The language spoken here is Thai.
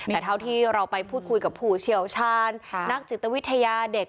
แต่เท่าที่เราไปพูดคุยกับผู้เชี่ยวชาญนักจิตวิทยาเด็ก